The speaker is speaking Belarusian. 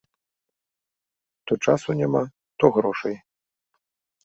То часу няма, то грошай.